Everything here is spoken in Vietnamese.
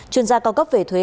chuyên gia cao cấp về thuế